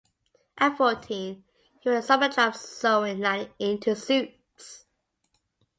At fourteen, he found a summer job sewing linings into suits.